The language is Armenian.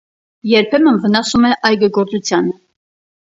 Երբեմն վնասում է այգեգործությանը։